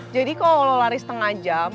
jadi kalo lo lari setengah jam